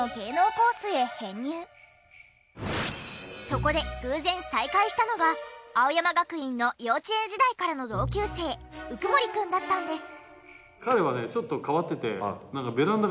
そこで偶然再会したのが青山学院の幼稚園時代からの同級生鵜久森くんだったんです。